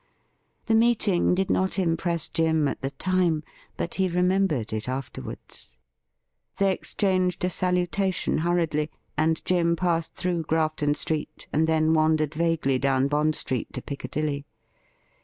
The meeting did not impress Jim at the time, but he remembered it afterwards. They exchanged a salutation huiTiedly, and Jim passed through Grafton Street, and then wandered vaguely down Bond Street to Piccadilly.